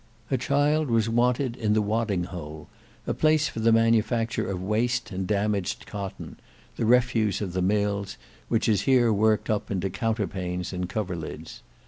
A child was wanted in the Wadding Hole, a place for the manufacture of waste and damaged cotton, the refuse of the mills, which is here worked up into counterpanes and coverlids.